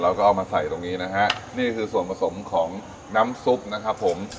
เอามาใส่ตรงนี้นะฮะนี่คือส่วนผสมของน้ำซุปนะครับผม